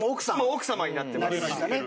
奥様になってますし。